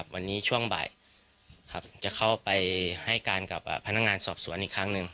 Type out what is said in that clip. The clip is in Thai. วันนี้ช่วงบ่ายจะเข้าไปให้การกับพนักงานสอบสวนอีกครั้งหนึ่ง